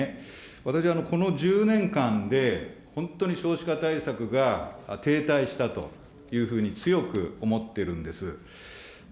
私、この１０年間で、本当に少子化対策が停滞したというふうに強く思ってるんです。